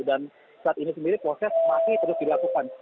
dan saat ini sendiri proses masih terus dilakukan